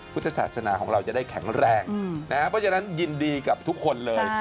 พุทธศาสนาของเราจะได้แข็งแรงนะครับเพราะฉะนั้นยินดีกับทุกคนเลย